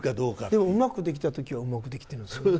でもうまくできた時はうまくできてるんですよね。